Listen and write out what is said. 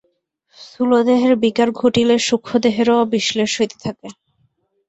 স্থূলদেহের বিকার ঘটিলে সূক্ষ্মদেহেরও বিশ্লেষ হইতে থাকে।